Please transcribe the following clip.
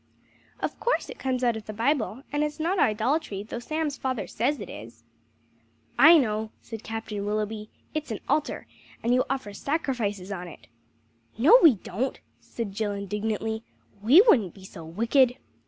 "Of course it comes out of the Bible, and it's not idolatry, though Sam's father says it is." "I know!" said Captain Willoughby. "It's an altar, and you offer sacrifices on it." "No, we don't," said Jill indignantly, "we wouldn't be so wicked!"